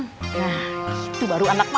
nah itu baru anak mama